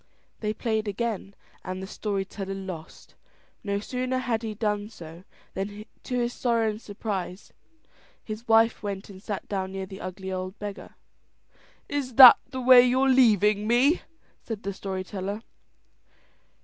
They played again, and the story teller lost. No sooner had he done so, than to his sorrow and surprise, his wife went and sat down near the ugly old beggar. "Is that the way you're leaving me?" said the story teller.